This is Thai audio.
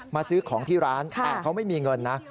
ซื้อของที่ร้านแต่เขาไม่มีเงินนะ